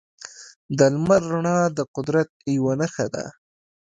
د لمر رڼا د قدرت یوه نښه ده.